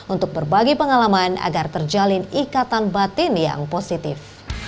untuk berbagi pengalaman agar terjalin ikatan batin yang positif